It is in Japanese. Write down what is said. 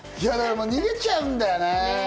逃げちゃうんだよね。